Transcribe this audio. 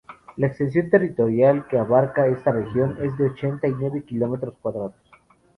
La extensión territorial que abarca esta región es de ochenta y nueve kilómetros cuadrados.